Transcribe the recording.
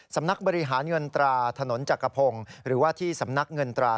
สำนักบริหารเงินตราถนนจักรพงศ์หรือว่าที่สำนักเงินตรา